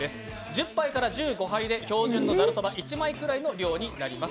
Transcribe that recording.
１０杯から１５杯で標準のざるそば１枚ぐらいの量になります。